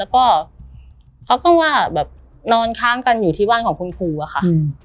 แล้วก็เขาก็ว่าแบบนอนค้างกันอยู่ที่บ้านของคุณครูอะค่ะ